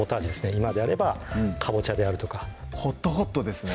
今であればかぼちゃであるとかホット・ホットですね